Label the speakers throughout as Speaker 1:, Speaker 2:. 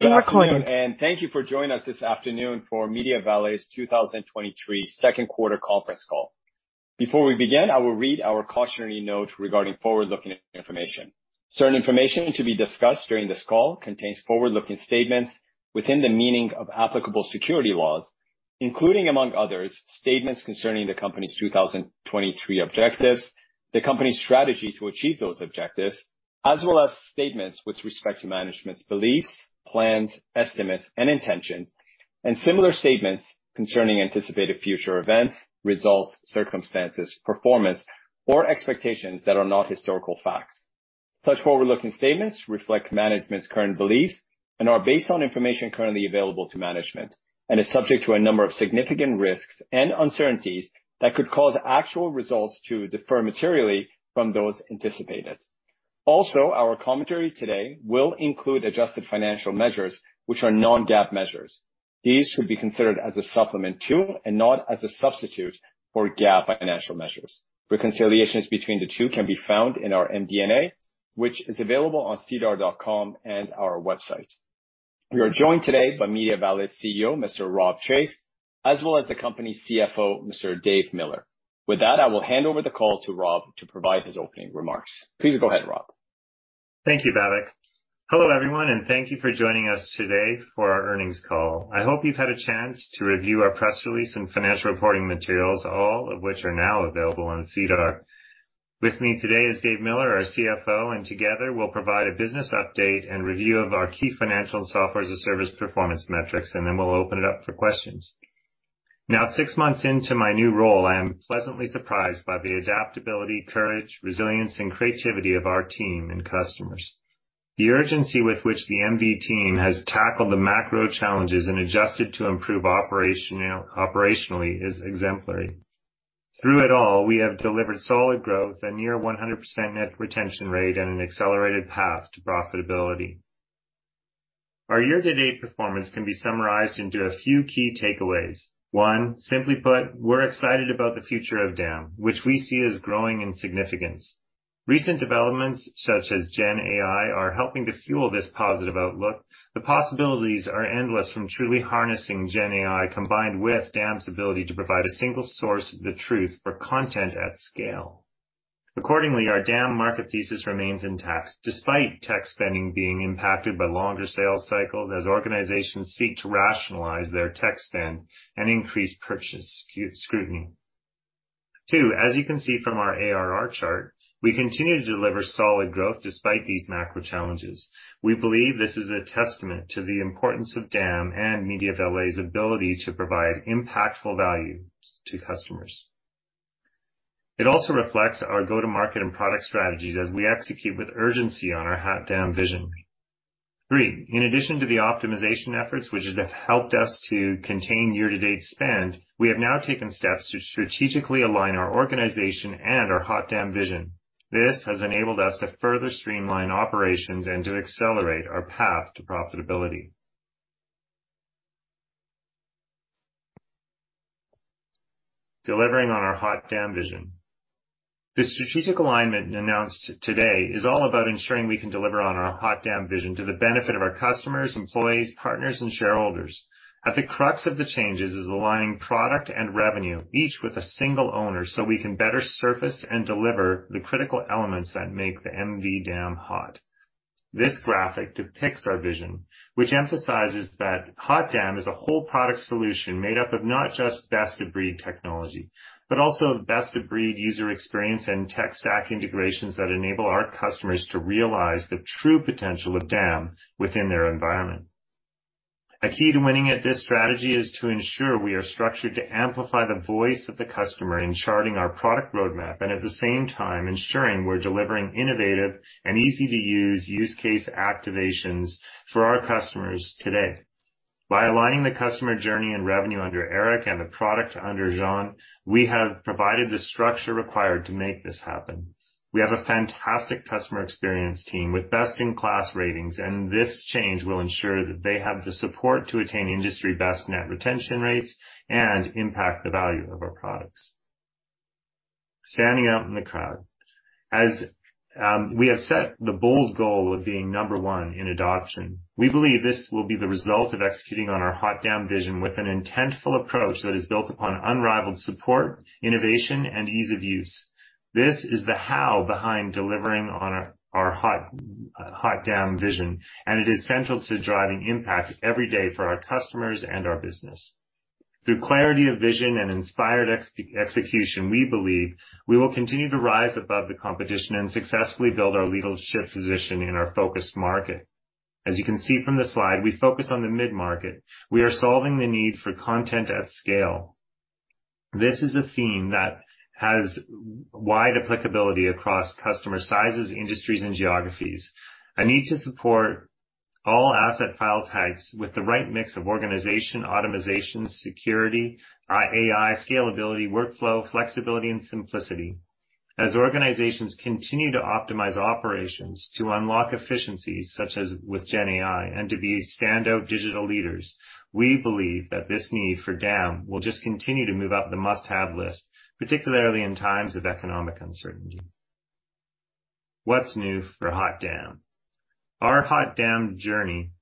Speaker 1: Good afternoon, and thank you for joining us this afternoon for MediaValet's 2023 second quarter conference call. Before we begin, I will read our cautionary note regarding forward-looking information. Certain information to be discussed during this call contains forward-looking statements within the meaning of applicable security laws, including, among others, statements concerning the company's 2023 objectives, the company's strategy to achieve those objectives, as well as statements with respect to management's beliefs, plans, estimates, and intentions, and similar statements concerning anticipated future events, results, circumstances, performance, or expectations that are not historical facts. Our commentary today will include adjusted financial measures, which are non-GAAP measures. These should be considered as a supplement to and not as a substitute for GAAP financial measures. Reconciliations between the two can be found in our MD&A, which is available on sedar.com and our website. We are joined today by MediaValet's CEO, Mr. Rob Chase, as well as the company's CFO, Mr. Dave Miller. With that, I will hand over the call to Rob to provide his opening remarks. Please go ahead, Rob.
Speaker 2: Thank you, Babak. Hello, everyone, and thank you for joining us today for our earnings call. I hope you've had a chance to review our press release and financial reporting materials, all of which are now available on SEDAR. With me today is Dave Miller, our CFO, and together we'll provide a business update and review of our key financial and software as a service performance metrics, and then we'll open it up for questions. Now, six months into my new role, I am pleasantly surprised by the adaptability, courage, resilience, and creativity of our team and customers. The urgency with which the MV team has tackled the macro challenges and adjusted to improve operationally is exemplary. Through it all, we have delivered solid growth and near 100% net retention rate and an accelerated path to profitability. Our year-to-date performance can be summarized into a few key takeaways. One, simply put, we're excited about the future of DAM, which we see as growing in significance. Recent developments such as GenAI, are helping to fuel this positive outlook. The possibilities are endless from truly harnessing GenAI, combined with DAM's ability to provide a single source of the truth for content at scale. Accordingly, our DAM market thesis remains intact, despite tech spending being impacted by longer sales cycles as organizations seek to rationalize their tech spend and increase purchase scrutiny. Two, as you can see from our ARR chart, we continue to deliver solid growth despite these macro challenges. We believe this is a testament to the importance of DAM and MediaValet's ability to provide impactful value to customers. It also reflects our go-to-market and product strategies as we execute with urgency on our HotDAM! vision. Three, in addition to the optimization efforts, which have helped us to contain year-to-date spend, we have now taken steps to strategically align our organization and our HotDAM! vision. This has enabled us to further streamline operations and to accelerate our path to profitability. Delivering on our HotDAM! vision. The strategic alignment announced today is all about ensuring we can deliver on our HotDAM! vision to the benefit of our customers, employees, partners, and shareholders. At the crux of the changes is aligning product and revenue, each with a single owner, so we can better surface and deliver the critical elements that make the MV DAM hot. This graphic depicts our vision, which emphasizes that HotDAM! is a whole product solution made up of not just best-of-breed technology, but also best-of-breed user experience and tech stack integrations that enable our customers to realize the true potential of DAM within their environment. A key to winning at this strategy is to ensure we are structured to amplify the voice of the customer in charting our product roadmap, and at the same time ensuring we're delivering innovative and easy-to-use use case activations for our customers today. By aligning the customer journey and revenue under Eric and the product under John, we have provided the structure required to make this happen. We have a fantastic customer experience team with best-in-class ratings, and this change will ensure that they have the support to attain industry best net retention rates and impact the value of our products. Standing out in the crowd. As we have set the bold goal of being number one in adoption, we believe this will be the result of executing on our HotDAM! vision with an intentful approach that is built upon unrivaled support, innovation, and ease of use. This is the how behind delivering on our HotDAM! vision, and it is central to driving impact every day for our customers and our business. Through clarity of vision and inspired execution, we believe we will continue to rise above the competition and successfully build our leadership position in our focused market. As you can see from the slide, we focus on the mid-market. We are solving the need for content at scale. This is a theme that has wide applicability across customer sizes, industries, and geographies. A need to support all asset file types with the right mix of organization, automization, security, AI, scalability, workflow, flexibility, and simplicity. As organizations continue to optimize operations to unlock efficiencies, such as with GenAI, and to be standout digital leaders, we believe that this need for DAM will just continue to move up the must-have list, particularly in times of economic uncertainty. What's new for HotDAM!? On our HotDAM! journey,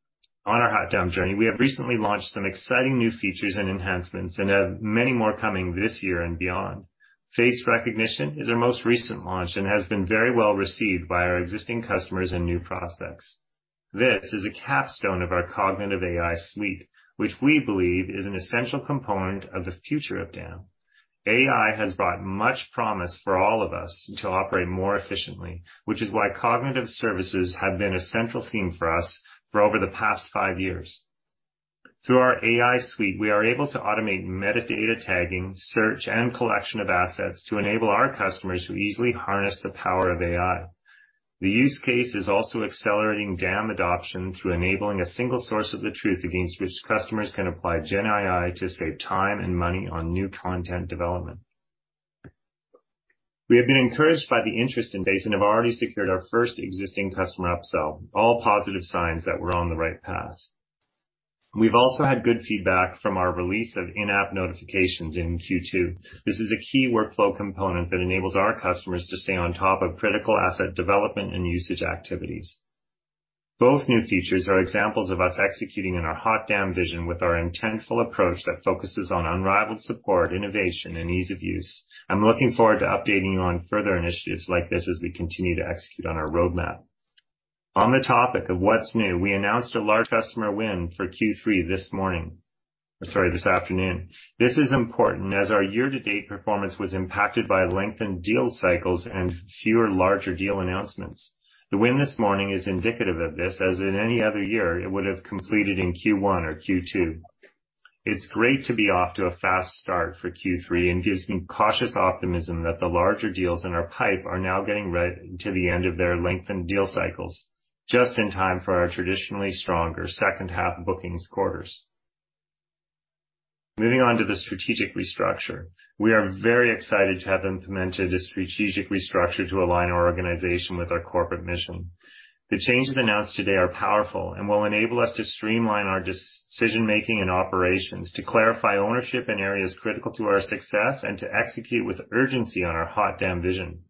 Speaker 2: we have recently launched some exciting new features and enhancements, and have many more coming this year and beyond. Face Recognition is our most recent launch, and has been very well received by our existing customers and new prospects. This is a capstone of our Cognitive AI Suite, which we believe is an essential component of the future of DAM. AI has brought much promise for all of us to operate more efficiently, which is why cognitive services have been a central theme for us for over the past five years. Through our AI suite, we are able to automate metadata tagging, search, and collection of assets to enable our customers to easily harness the power of AI. The use case is also accelerating DAM adoption through enabling a single source of the truth against which customers can apply GenAI to save time and money on new content development. We have been encouraged by the interest in Face and have already secured our first existing customer upsell, all positive signs that we're on the right path. We've also had good feedback from our release of In-App Notifications in Q2. This is a key workflow component that enables our customers to stay on top of critical asset development and usage activities. Both new features are examples of us executing on our HotDAM! vision with our intentful approach that focuses on unrivaled support, innovation, and ease of use. I'm looking forward to updating you on further initiatives like this as we continue to execute on our roadmap. On the topic of what's new, we announced a large customer win for Q3 this morning, I'm sorry, this afternoon. This is important as our year-to-date performance was impacted by lengthened deal cycles and fewer larger deal announcements. The win this morning is indicative of this, as in any other year, it would have completed in Q1 or Q2. It's great to be off to a fast start for Q3, and gives me cautious optimism that the larger deals in our pipe are now getting ready to the end of their lengthened deal cycles, just in time for our traditionally stronger second half bookings quarters. Moving on to the strategic restructure. We are very excited to have implemented a strategic restructure to align our organization with our corporate mission. The changes announced today are powerful and will enable us to streamline our decision-making and operations, to clarify ownership in areas critical to our success, and to execute with urgency on our HotDAM! vision.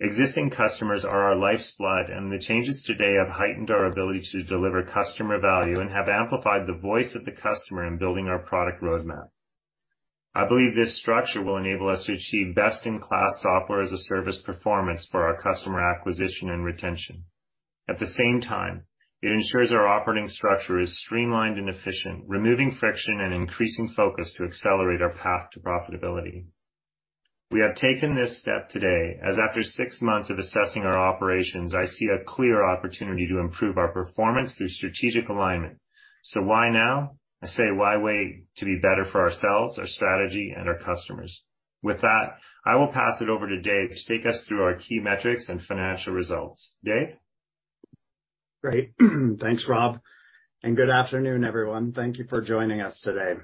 Speaker 2: Existing customers are our life's blood, and the changes today have heightened our ability to deliver customer value and have amplified the voice of the customer in building our product roadmap. I believe this structure will enable us to achieve best-in-class software as a service performance for our customer acquisition and retention. At the same time, it ensures our operating structure is streamlined and efficient, removing friction and increasing focus to accelerate our path to profitability. We have taken this step today, as after six months of assessing our operations, I see a clear opportunity to improve our performance through strategic alignment. Why now? I say, why wait to be better for ourselves, our strategy, and our customers? With that, I will pass it over to Dave to take us through our key metrics and financial results. Dave?
Speaker 3: Great. Thanks, Rob, and good afternoon, everyone. Thank you for joining us today.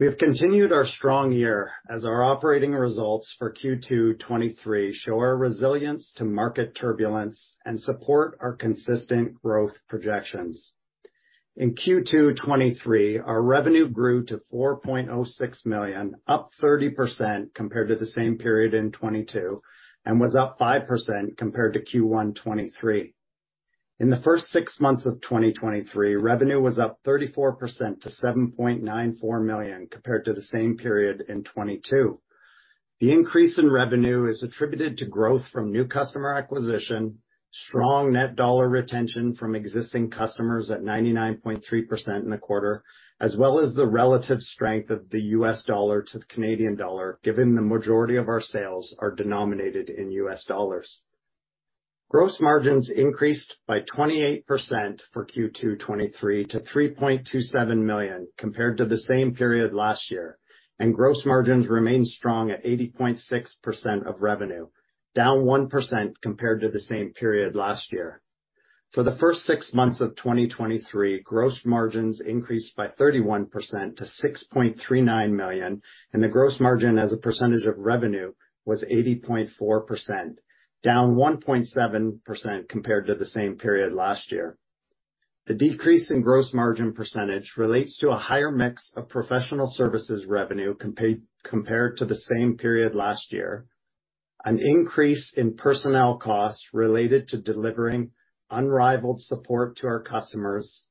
Speaker 3: We have continued our strong year as our operating results for Q2 2023 show our resilience to market turbulence and support our consistent growth projections. In Q2 2023, our revenue grew to $4.06 million, up 30% compared to the same period in 2022, and was up 5% compared to Q1 2023. In the first six months of 2023, revenue was up 34% to $7.94 million, compared to the same period in 2022. The increase in revenue is attributed to growth from new customer acquisition, strong net dollar retention from existing customers at 99.3% in the quarter, as well as the relative strength of the US dollar to the Canadian dollar, given the majority of our sales are denominated in US dollars. Gross margins increased by 28% for Q2 2023 to $3.27 million, compared to the same period last year. Gross margins remained strong at 80.6% of revenue, down 1% compared to the same period last year. For the first 6 months of 2023, gross margins increased by 31% to $6.39 million. The gross margin as a percentage of revenue was 80.4%, down 1.7% compared to the same period last year. The decrease in gross margin percentage relates to a higher mix of professional services revenue compared to the same period last year, an increase in personnel costs related to delivering unrivaled support to our customers,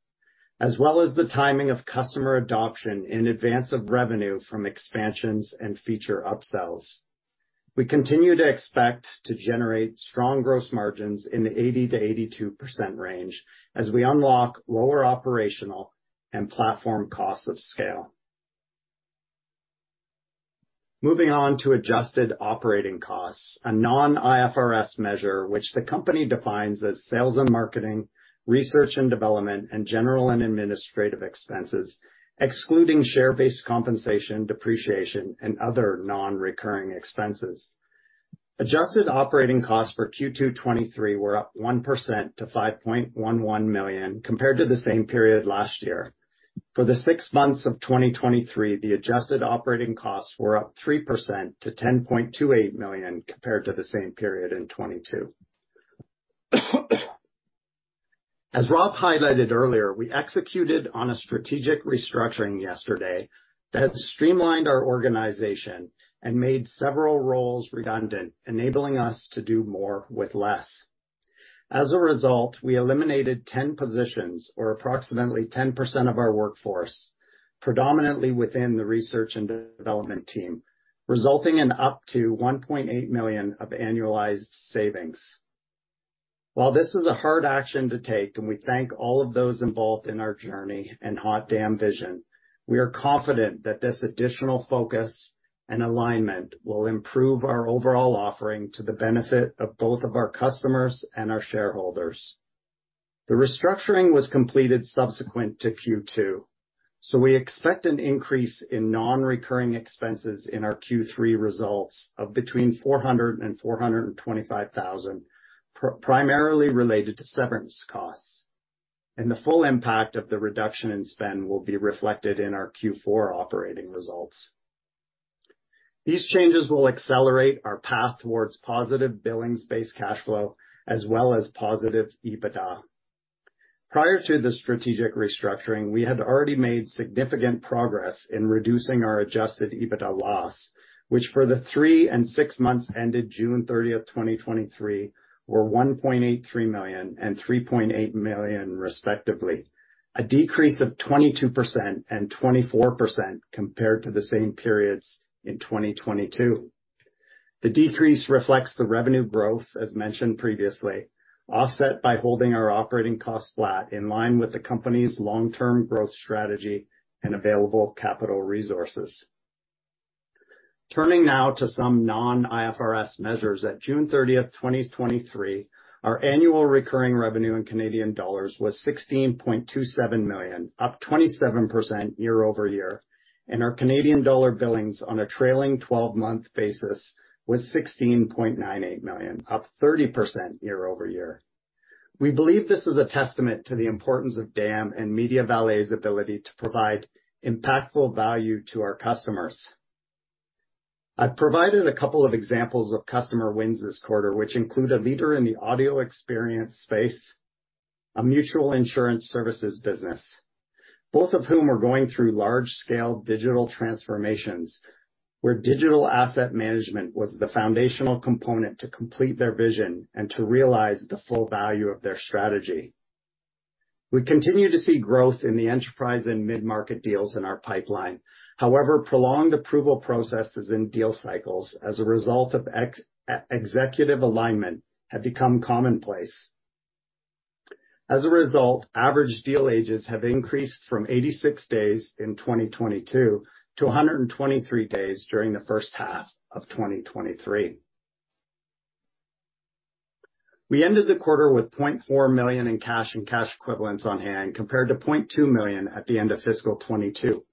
Speaker 3: as well as the timing of customer adoption in advance of revenue from expansions and feature upsells. We continue to expect to generate strong gross margins in the 80%-82% range as we unlock lower operational and platform costs of scale. Moving on to adjusted operating costs, a non-IFRS measure, which the company defines as sales and marketing, research and development, and general and administrative expenses, excluding share-based compensation, depreciation, and other non-recurring expenses. Adjusted operating costs for Q2 2023 were up 1% to 5.11 million, compared to the same period last year. For the six months of 2023, the adjusted operating costs were up 3% to 10.28 million, compared to the same period in 2022. As Rob highlighted earlier, we executed on a strategic restructuring yesterday that streamlined our organization and made several roles redundant, enabling us to do more with less. As a result, we eliminated 10 positions, or approximately 10% of our workforce, predominantly within the research and development team, resulting in up to 1.8 million of annualized savings. While this is a hard action to take, and we thank all of those involved in our journey and HotDAM! vision, we are confident that this additional focus and alignment will improve our overall offering to the benefit of both of our customers and our shareholders. The restructuring was completed subsequent to Q2, we expect an increase in non-recurring expenses in our Q3 results of between 400,000 and 425,000, primarily related to severance costs. The full impact of the reduction in spend will be reflected in our Q4 operating results. These changes will accelerate our path towards positive billings-based cash flow, as well as positive EBITDA. Prior to the strategic restructuring, we had already made significant progress in reducing our adjusted EBITDA loss, which for the three and six months ended June 30, 2023, were 1.83 million and 3.8 million, respectively, a decrease of 22% and 24% compared to the same periods in 2022. The decrease reflects the revenue growth, as mentioned previously, offset by holding our operating costs flat, in line with the company's long-term growth strategy and available capital resources. Turning now to some non-IFRS measures. At June 30, 2023, our annual recurring revenue in Canadian dollars was 16.27 million, up 27% year-over-year, and our Canadian dollar billings on a trailing twelve-month basis was 16.98 million, up 30% year-over-year. We believe this is a testament to the importance of DAM and MediaValet's ability to provide impactful value to our customers. I've provided a couple of examples of customer wins this quarter, which include a leader in the audio experience space, a mutual insurance services business, both of whom are going through large-scale digital transformations, where digital asset management was the foundational component to complete their vision and to realize the full value of their strategy. We continue to see growth in the enterprise and mid-market deals in our pipeline. However, prolonged approval processes and deal cycles as a result of executive alignment have become commonplace. As a result, average deal ages have increased from 86 days in 2022 to 123 days during the first half of 2023. We ended the quarter with 0.4 million in cash and cash equivalents on hand, compared to 0.2 million at the end of fiscal 2022,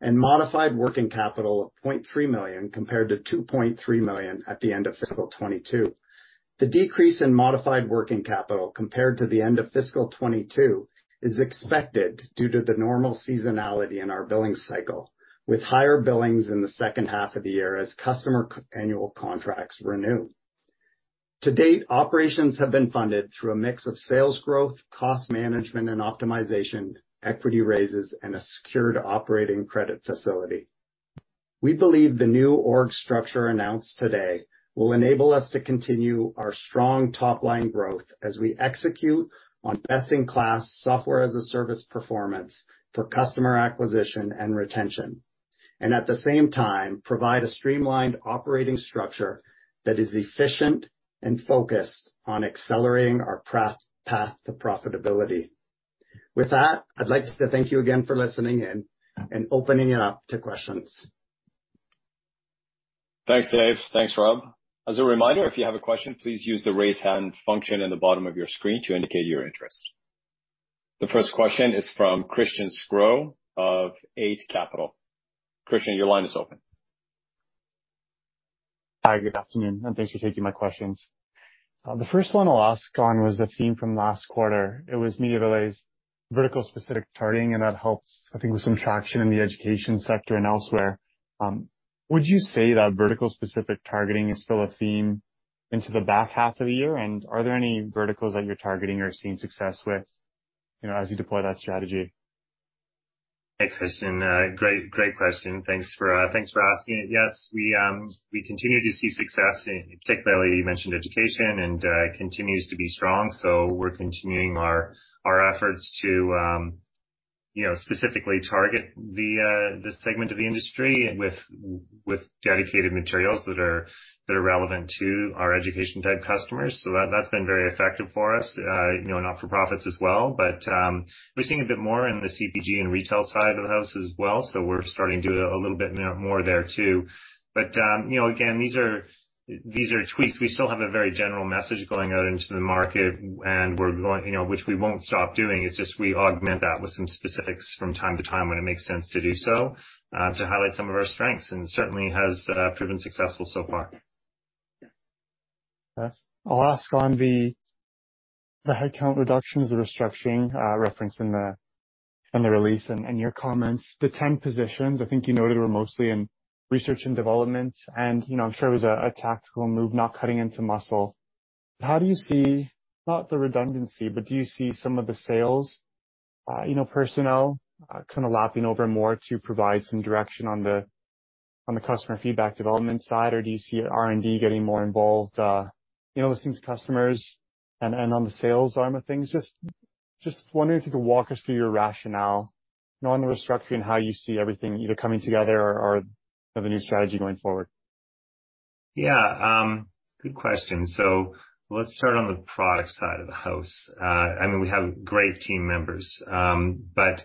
Speaker 3: and Modified Working Capital of 0.3 million, compared to 2.3 million at the end of fiscal 2022. The decrease in Modified Working Capital compared to the end of fiscal 2022 is expected due to the normal seasonality in our billing cycle, with higher billings in the second half of the year as customer annual contracts renew. To date, operations have been funded through a mix of sales growth, cost management and optimization, equity raises, and a secured operating credit facility. We believe the new org structure announced today will enable us to continue our strong top-line growth as we execute on best-in-class SaaS performance for customer acquisition and retention. At the same time, provide a streamlined operating structure that is efficient and focused on accelerating our path to profitability. With that, I'd like to thank you again for listening in and opening it up to questions.
Speaker 1: Thanks, Dave. Thanks, Rob. As a reminder, if you have a question, please use the Raise Hand function in the bottom of your screen to indicate your interest. The first question is from Christian Sgro of Eight Capital. Christian, your line is open.
Speaker 4: Hi, good afternoon, and thanks for taking my questions. The first one I'll ask on was a theme from last quarter. It was MediaValet's vertical-specific targeting, and that helped, I think, with some traction in the education sector and elsewhere. Would you say that vertical-specific targeting is still a theme into the back half of the year? Are there any verticals that you're targeting or seeing success with, you know, as you deploy that strategy?
Speaker 3: Hey, Christian, great, great question. Thanks for, thanks for asking it. Yes, we, we continue to see success in, particularly, you mentioned education and, continues to be strong. We're continuing our efforts to, you know, specifically target the segment of the industry with dedicated materials that are relevant to our education-type customers. That, that's been very effective for us, you know, not-for-profits as well. We're seeing a bit more in the CPG and retail side of the house as well, so we're starting to do a little bit more there, too. You know, again, these are, these are tweaks. We still have a very general message going out into the market, and we're going... You know, which we won't stop doing. It's just we augment that with some specifics from time to time when it makes sense to do so, to highlight some of our strengths. Certainly has proven successful so far.
Speaker 4: Yes. I'll ask on the, the headcount reductions, the restructuring, referenced in the release and, and your comments. The 10 positions, I think you noted, were mostly in research and development, and, you know, I'm sure it was a, a tactical move not cutting into muscle. How do you see, not the redundancy, but do you see some of the sales, you know, personnel, kind of lapping over more to provide some direction on the, on the customer feedback development side? Or do you see R&D getting more involved, you know, listening to customers and, and on the sales arm of things? Just wondering if you could walk us through your rationale on the restructuring, how you see everything either coming together or, or the new strategy going forward.
Speaker 2: Yeah, good question. Let's start on the product side of the house. I mean, we have great team members, but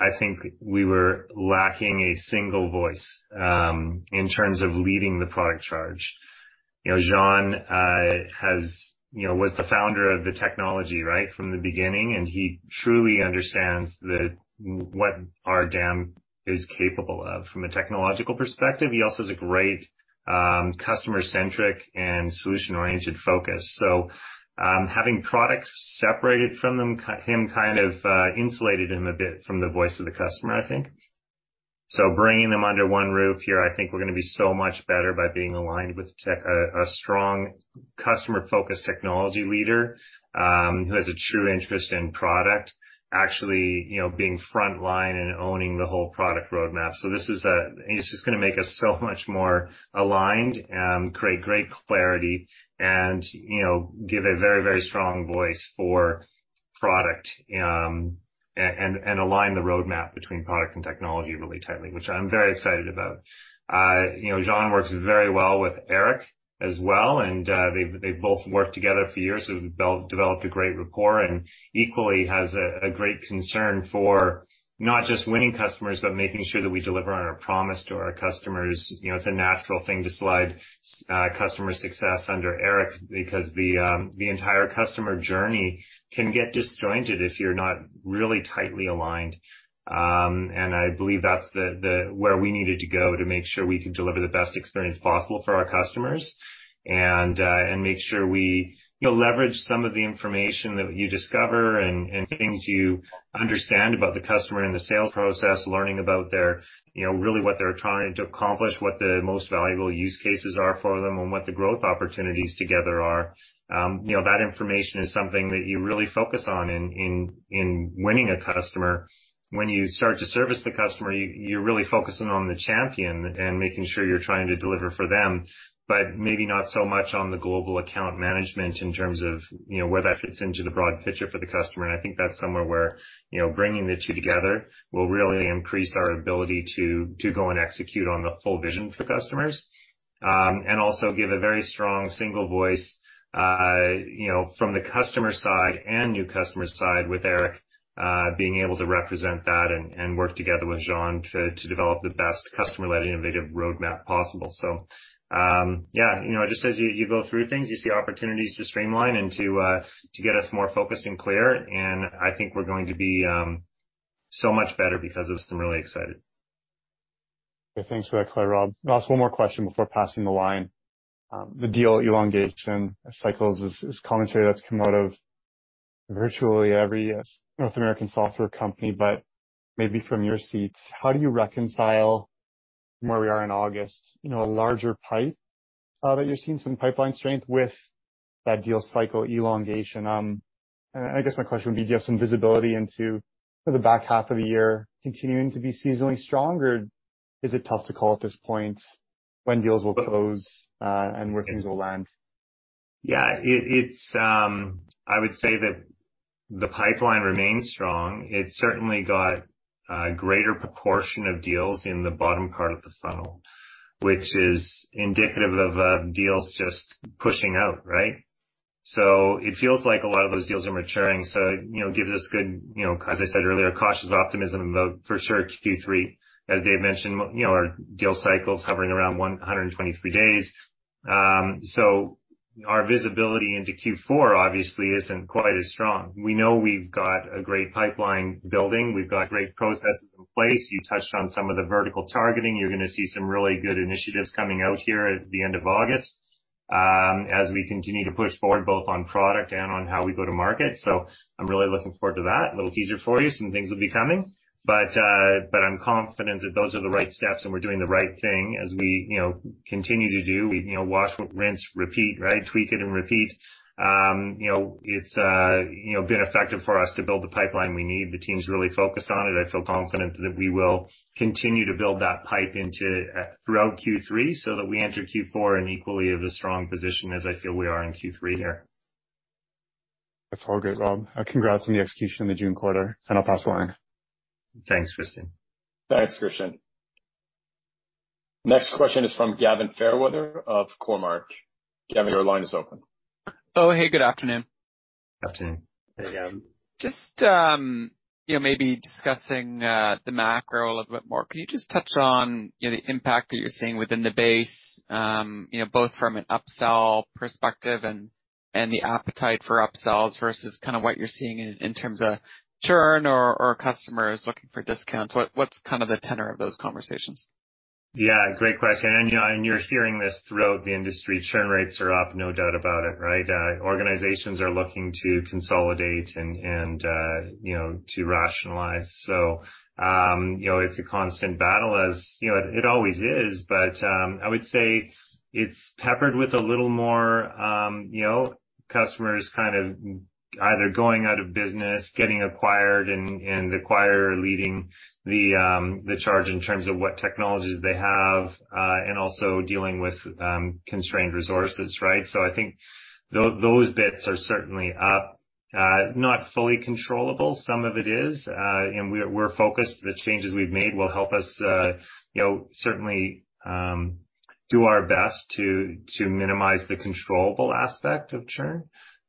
Speaker 2: I think we were lacking a single voice in terms of leading the product charge. You know, John has, you know, was the founder of the technology right from the beginning, and he truly understands what our DAM is capable of from a technological perspective. He also has a great, customer-centric and solution-oriented focus. Having products separated from them, him, kind of, insulated him a bit from the voice of the customer, I think. Bringing them under one roof here, I think we're gonna be so much better by being aligned with a strong customer-focused technology leader, who has a true interest in product, actually, you know, being frontline and owning the whole product roadmap. This is. It's just gonna make us so much more aligned, create great clarity and, you know, give a very, very strong voice for product, and align the roadmap between product and technology really tightly, which I'm very excited about. You know, John works very well with Eric as well, and they've, they've both worked together for years. They've built- developed a great rapport, and equally has a, a great concern for not just winning customers, but making sure that we deliver on our promise to our customers. You know, it's a natural thing to slide customer success under Eric, because the entire customer journey can get disjointed if you're not really tightly aligned. I believe that's where we needed to go to make sure we could deliver the best experience possible for our customers, and make sure we, you know, leverage some of the information that you discover and things you understand about the customer in the sales process, learning about their, you know, really what they're trying to accomplish, what the most valuable use cases are for them and what the growth opportunities together are. You know, that information is something that you really focus on in, in, in winning a customer. When you start to service the customer, you're really focusing on the champion and making sure you're trying to deliver for them, but maybe not so much on the global account management in terms of, you know, where that fits into the broad picture for the customer, and I think that's somewhere where, you know, bringing the two together will really increase our ability to go and execute on the full vision for customers. Also give a very strong single voice, you know, from the customer side and new customer side, with Eric being able to represent that and work together with John to develop the best customer-led, innovative roadmap possible. Yeah, you know, just as you, you go through things, you see opportunities to streamline and to get us more focused and clear, and I think we're going to be so much better because of this. I'm really excited.
Speaker 4: Thanks for that clear, Rob. I'll ask one more question before passing the line. The deal elongation cycles is, is commentary that's come out of virtually every North American software company, but maybe from your seats, how do you reconcile from where we are in August, you know, a larger pipe, that you're seeing some pipeline strength with that deal cycle elongation? I guess my question would be: Do you have some visibility into the back half of the year continuing to be seasonally stronger? Is it tough to call at this point when deals will close, and where things will land?
Speaker 2: Yeah, I would say that the pipeline remains strong. It's certainly got a greater proportion of deals in the bottom part of the funnel, which is indicative of deals just pushing out, right? It feels like a lot of those deals are maturing, so, you know, gives us good, you know, as I said earlier, cautious optimism about for sure Q3. As Dave mentioned, you know, our deal cycle's hovering around 123 days. Our visibility into Q4 obviously isn't quite as strong. We know we've got a great pipeline building. We've got great processes in place. You touched on some of the vertical targeting. You're gonna see some really good initiatives coming out here at the end of August, as we continue to push forward, both on product and on how we go to market. I'm really looking forward to that. A little teaser for you, some things will be coming, but I'm confident that those are the right steps, and we're doing the right thing as we, you know, continue to do, you know, wash, rinse, repeat, right? Tweak it and repeat. You know, it's, you know, been effective for us to build the pipeline we need. The team's really focused on it. I feel confident that we will continue to build that pipe into throughout Q3, so that we enter Q4 in equally as a strong position as I feel we are in Q3 here.
Speaker 4: That's all good, Rob. Congrats on the execution in the June quarter. I'll pass the line.
Speaker 2: Thanks, Christian.
Speaker 1: Thanks, Christian. Next question is from Gavin Fairweather of Cormark. Gavin, your line is open.
Speaker 5: Oh, hey, good afternoon.
Speaker 2: Afternoon.
Speaker 1: Hey, Gavin.
Speaker 5: Just, you know, maybe discussing, the macro a little bit more. Can you just touch on, you know, the impact that you're seeing within the base, you know, both from an upsell perspective and, and the appetite for upsells versus kind of what you're seeing in, in terms of churn or, or customers looking for discounts? What, what's kind of the tenor of those conversations?...
Speaker 2: Yeah, great question. You know, and you're hearing this throughout the industry, churn rates are up, no doubt about it, right? Organizations are looking to consolidate and, and, you know, to rationalize. You know, it's a constant battle as, you know, it always is, but I would say it's peppered with a little more, you know, customers kind of either going out of business, getting acquired, and, and the acquirer leading the charge in terms of what technologies they have, and also dealing with constrained resources, right? I think those bits are certainly up, not fully controllable. Some of it is, and we're, we're focused. The changes we've made will help us, you know, certainly, do our best to, to minimize the controllable aspect of churn,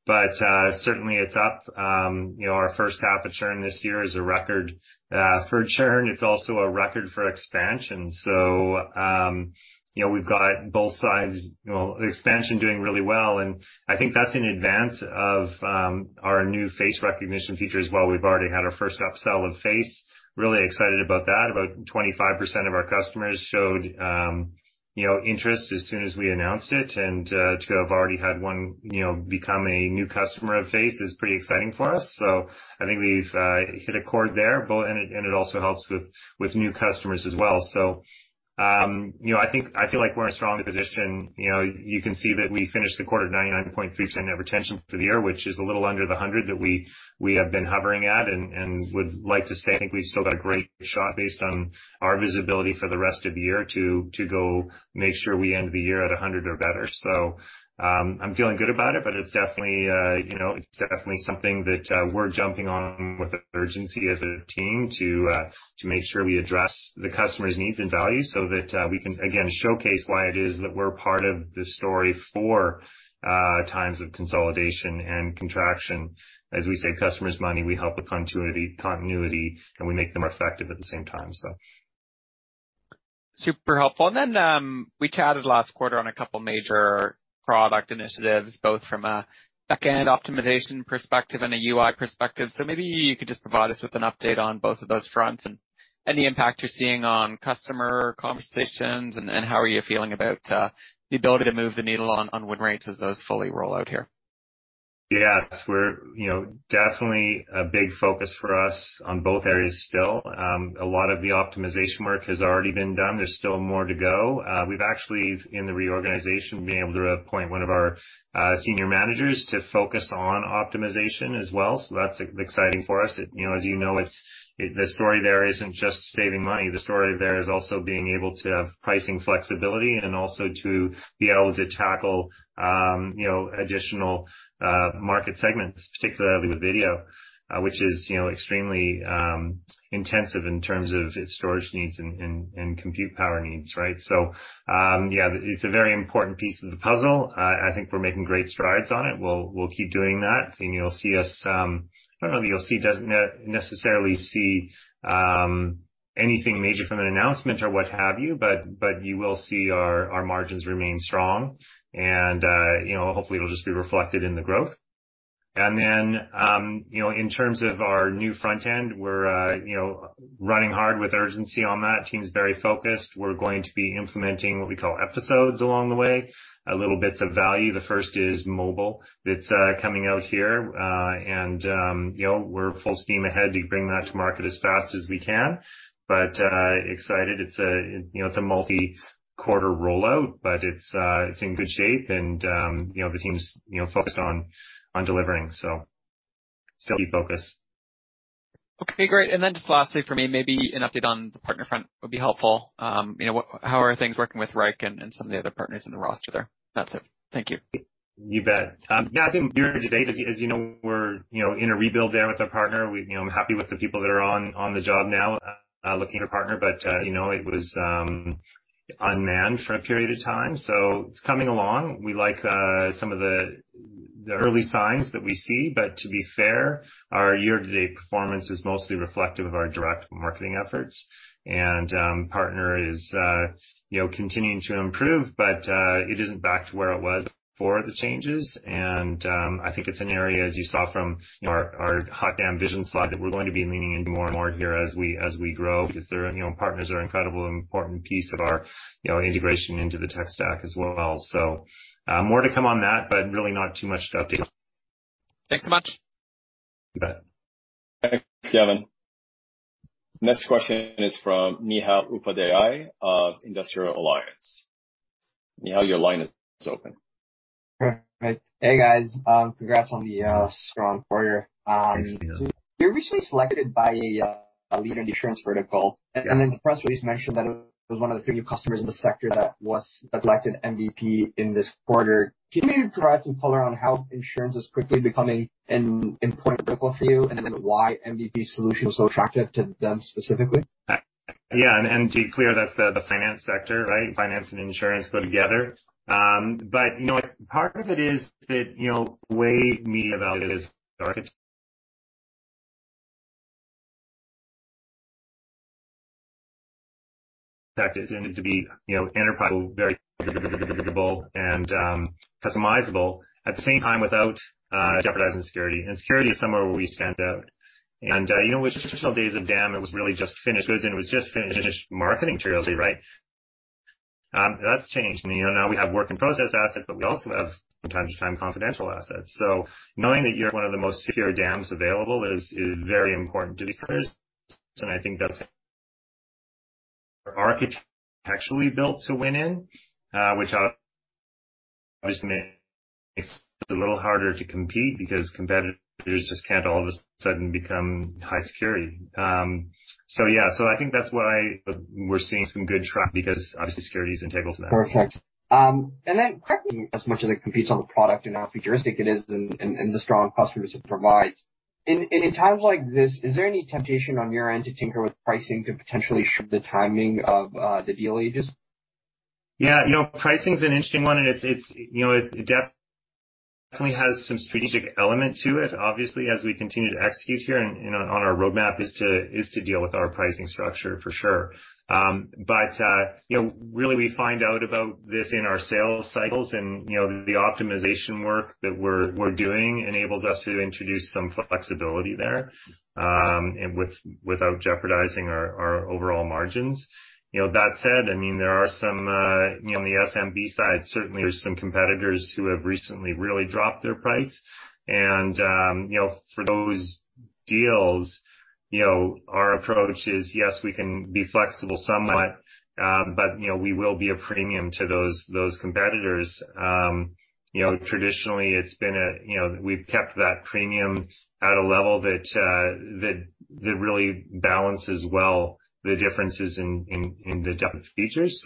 Speaker 2: but certainly it's up. You know, our first half of churn this year is a record for churn. It's also a record for expansion. You know, we've got both sides, you know, the expansion doing really well, and I think that's in advance of our new Face Recognition feature as well. We've already had our first upsell with Face. Really excited about that. About 25% of our customers showed, you know, interest as soon as we announced it, to have already had one, you know, become a new customer of Face is pretty exciting for us. I think we've hit a chord there, and it also helps with new customers as well. You know, I feel like we're in a strong position. You know, you can see that we finished the quarter at 99.3% net retention for the year, which is a little under the 100 that we have been hovering at, and would like to say I think we've still got a great shot based on our visibility for the rest of the year to go make sure we end the year at 100 or better. I'm feeling good about it, but it's definitely, you know, it's definitely something that we're jumping on with urgency as a team to make sure we address the customer's needs and values so that we can again showcase why it is that we're part of this story for times of consolidation and contraction. As we save customers money, we help with continuity, continuity, and we make them effective at the same time.
Speaker 5: Super helpful. Then, we chatted last quarter on a couple major product initiatives, both from a back-end optimization perspective and a UI perspective. Maybe you could just provide us with an update on both of those fronts and any impact you're seeing on customer conversations, and how are you feeling about the ability to move the needle on win rates as those fully roll out here?
Speaker 2: Yes, we're, you know, definitely a big focus for us on both areas still. A lot of the optimization work has already been done. There's still more to go. We've actually, in the reorganization, been able to appoint one of our senior managers to focus on optimization as well, so that's exciting for us. You know, as you know, it's the story there isn't just saving money. The story there is also being able to have pricing flexibility and also to be able to tackle, you know, additional market segments, particularly with video, which is, you know, extremely intensive in terms of its storage needs and, and, and compute power needs, right? Yeah, it's a very important piece of the puzzle. I think we're making great strides on it. We'll, we'll keep doing that, and you'll see us... I don't know that you'll see, necessarily see, anything major from an announcement or what have you, but you will see our, our margins remain strong and, you know, hopefully, it'll just be reflected in the growth. In terms of our new front end, we're, you know, running hard with urgency on that. Team's very focused. We're going to be implementing what we call episodes along the way, little bits of value. The first is mobile. That's coming out here, you know, we're full steam ahead to bring that to market as fast as we can. Excited, it's a, you know, it's a multi-quarter rollout, it's in good shape, you know, the team's, you know, focused on, on delivering, still be focused.
Speaker 5: Okay, great. Then just lastly for me, maybe an update on the partner front would be helpful. You know, how are things working with Wrike and, and some of the other partners in the roster there? That's it. Thank you.
Speaker 2: You bet. Yeah, I think year-to-date, as you know, we're, you know, in a rebuild there with our partner. We, you know, I'm happy with the people that are on, on the job now, looking at a partner, but, you know, it was unmanned for a period of time, so it's coming along. We like some of the, the early signs that we see, but to be fair, our year-to-date performance is mostly reflective of our direct marketing efforts. Partner is, you know, continuing to improve, but it isn't back to where it was before the changes. I think it's an area, as you saw from, you know, our, our HotDAM! vision slide, that we're going to be leaning into more and more here as we, as we grow, because they're, you know, partners are incredibly important piece of our, you know, integration into the tech stack as well. More to come on that, but really not too much to update.
Speaker 5: Thanks so much.
Speaker 2: You bet.
Speaker 1: Thanks, Gavin. Next question is from Nehal Upadhyay of Industrial Alliance. Nehal, your line is open.
Speaker 6: Hey, guys, congrats on the strong quarter.
Speaker 2: Thanks, Nehal.
Speaker 6: You were recently selected by a leader in the insurance vertical, and then the press release mentioned that it was one of the few new customers in the sector that was elected MV in this quarter. Can you provide some color on how insurance is quickly becoming an important vertical for you, and then why MV solution was so attractive to them specifically?
Speaker 2: Yeah, and to be clear, that's the finance sector, right? Finance and insurance go together. But, you know, part of it is that, you know, way we evaluate fact is to be, you know, enterprise, very configurable and customizable at the same time, without jeopardizing security. Security is somewhere where we stand out. With traditional days of DAM, it was really just finished goods, and it was just finished marketing materials, right? That's changed. I mean, now we have work in process assets, but we also have, from time to time, confidential assets. Knowing that you're one of the most secure DAMs available is very important to these customers, and I think that's architecturally built to win in, which obviously makes it a little harder to compete because competitors just can't all of a sudden become high security. Yeah, so I think that's why we're seeing some good track because obviously security is integral to that.
Speaker 6: Perfect. Then correctly, as much as it competes on the product and how futuristic it is and, and, and the strong customers it provides, in, in times like this, is there any temptation on your end to tinker with pricing to potentially shift the timing of, the deal you just-?
Speaker 2: Yeah, you know, pricing is an interesting one, and it's, it's, you know, it definitely has some strategic element to it. Obviously, as we continue to execute here and, you know, on our roadmap is to, is to deal with our pricing structure for sure. You know, really, we find out about this in our sales cycles and, you know, the optimization work that we're, we're doing enables us to introduce some flexibility there, and without jeopardizing our, our overall margins. You know, that said, I mean, there are some, you know, on the SMB side, certainly, there's some competitors who have recently really dropped their price and, you know, for those deals, you know, our approach is, yes, we can be flexible somewhat, but, you know, we will be a premium to those, those competitors. You know, traditionally, it's been a... You know, we've kept that premium at a level that, that, that really balances well the differences in, in, in the different features.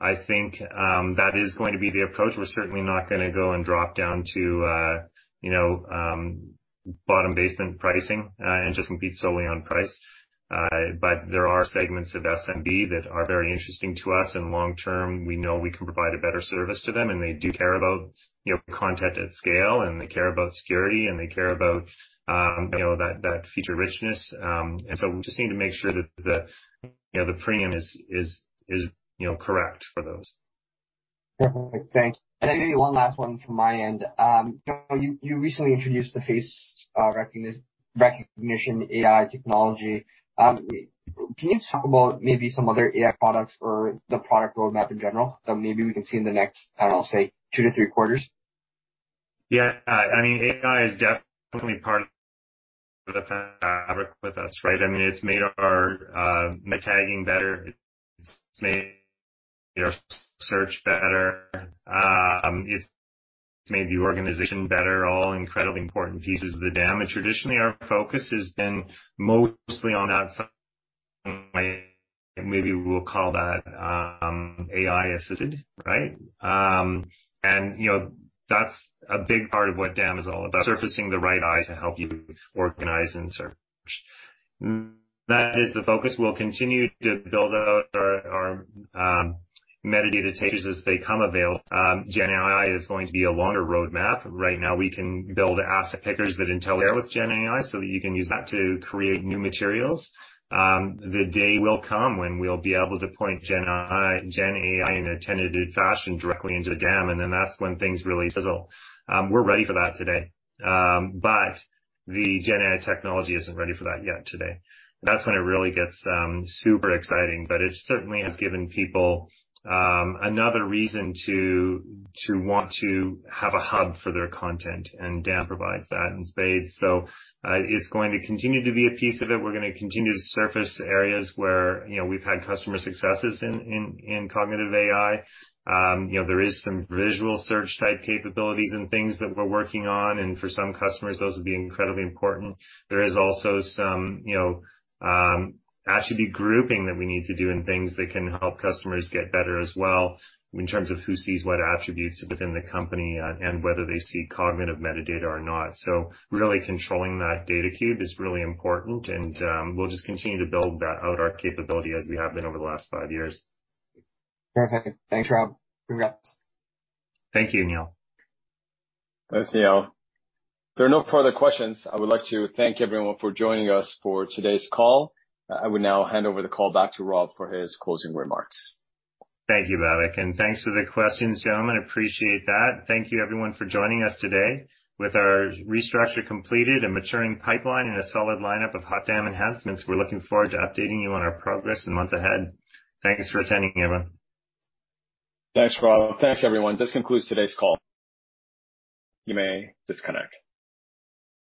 Speaker 2: I think that is going to be the approach. We're certainly not gonna go and drop down to, you know, bottom basement pricing, and just compete solely on price. There are segments of SMB that are very interesting to us, and long term, we know we can provide a better service to them, and they do care about, you know, content at scale, and they care about security, and they care about, you know, that, that feature richness. We just need to make sure that the, you know, the premium is, is, is, you know, correct for those.
Speaker 6: Perfect. Thanks. Maybe one last one from my end. You, you recently introduced the Face Recognition AI technology. Can you talk about maybe some other AI products or the product roadmap in general that maybe we can see in the next, I don't know, say 2-3 quarters?
Speaker 2: Yeah. I mean, AI is definitely part of the fabric with us, right? I mean, it's made our tagging better, it's made our search better, it's made the organization better, all incredibly important pieces of the DAM. Traditionally, our focus has been mostly on that side, maybe we'll call that AI-assisted, right? And, you know, that's a big part of what DAM is all about, surfacing the right eye to help you organize and search. That is the focus. We'll continue to build out our, our metadata takers as they come available. Gen AI is going to be a longer roadmap. Right now, we can build asset pickers that intel with Gen AI, so that you can use that to create new materials. The day will come when we'll be able to point Gen AI in a tentative fashion directly into the DAM, that's when things really sizzle. We're ready for that today, but the Gen AI technology isn't ready for that yet today. That's when it really gets super exciting, but it certainly has given people another reason to, to want to have a hub for their content, and DAM provides that in spades. It's going to continue to be a piece of it. We're gonna continue to surface areas where, you know, we've had customer successes in, in, in cognitive AI. You know, there is some visual search-type capabilities and things that we're working on, and for some customers, those would be incredibly important. There is also some, you know, attribute grouping that we need to do and things that can help customers get better as well in terms of who sees what attributes within the company and whether they see cognitive metadata or not. Really controlling that data cube is really important, and we'll just continue to build that out, our capability, as we have been over the last five years.
Speaker 6: Perfect. Thanks, Rob. Congrats.
Speaker 2: Thank you, Neil.
Speaker 1: Thanks, Neil. If there are no further questions, I would like to thank everyone for joining us for today's call. I will now hand over the call back to Rob for his closing remarks.
Speaker 2: Thank you, Vivek, and thanks for the questions, gentlemen. I appreciate that. Thank you, everyone, for joining us today. With our restructure completed, a maturing pipeline, and a solid lineup of HotDAM! enhancements, we're looking forward to updating you on our progress in the months ahead. Thanks for attending, everyone.
Speaker 1: Thanks, Rob. Thanks, everyone. This concludes today's call. You may disconnect.